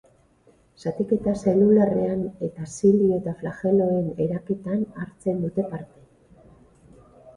Zatiketa zelularrean eta zilio eta flageloen eraketan hartzen dute parte.